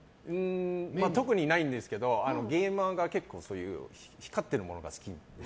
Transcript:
特にないんですけどゲーマーが光ってるものが好きで。